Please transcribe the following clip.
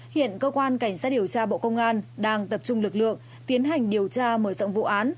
hiện cơ quan cảnh sát điều tra bộ công an đang tập trung lực lượng tiến hành điều tra mở rộng vụ án